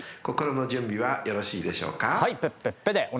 ［心の準備はよろしいでしょうか］